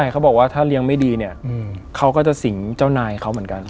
เขาบอกว่าถ้าเลี้ยงไม่ดีเนี่ยเขาก็จะสิงเจ้านายเขาเหมือนกัน